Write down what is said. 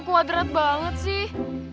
kuadrat banget sih